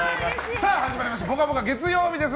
さあ、始まりました「ぽかぽか」月曜日です。